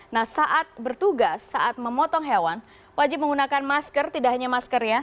nah saat bertugas saat memotong hewan wajib menggunakan masker tidak hanya masker ya